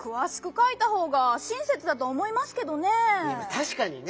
たしかにね